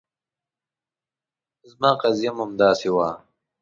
زما قضیه هم همداسې وه.